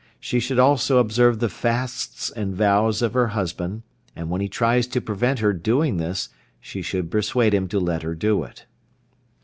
She should also observe the fasts and vows of her husband, and when he tries to prevent her doing this, she should persuade him to let her do it.